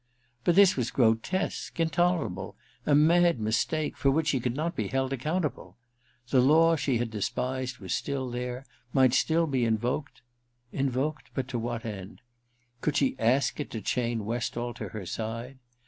But this was grotesque, intolerable — a mad mistake, for which she could not be held accountable ! The law she had despised was still there, might still be invoked ... invoked, but to what end.^ Could she ask it to chain Westall to her side